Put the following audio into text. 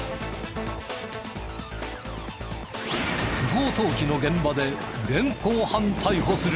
不法投棄の現場で現行犯逮捕する！